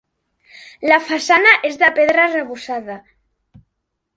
La façana és de pedra arrebossada.